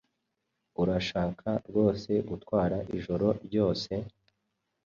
Urashaka rwose gutwara ijoro ryose?